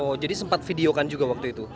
oh jadi sempat videokan juga waktu itu